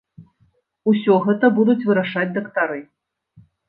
Усё гэта будуць вырашаць дактары.